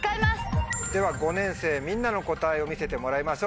では５年生みんなの答えを見せてもらいましょう。